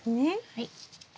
はい。